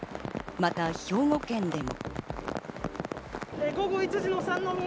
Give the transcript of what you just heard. また兵庫県でも。